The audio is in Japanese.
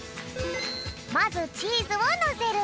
まずチーズをのせる。